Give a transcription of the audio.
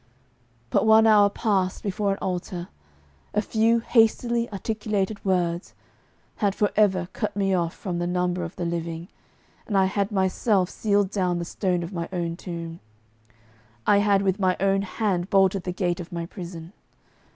But one hour passed before an altar, a few hastily articulated words, had for ever cut me off from the number of the living, and I had myself sealed down the stone of my own tomb; I had with my own hand bolted the gate of my prison!